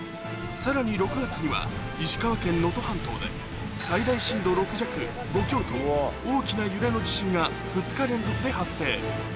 さらに６月には石川県能登半島でと大きな揺れの地震が２日連続で発生